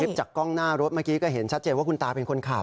จากกล้องหน้ารถเมื่อกี้ก็เห็นชัดเจนว่าคุณตาเป็นคนขับ